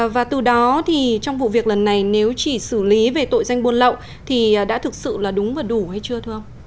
và từ đó thì trong vụ việc lần này nếu chỉ xử lý về tội danh buôn lậu thì đã thực sự là đúng và đủ hay chưa thưa ông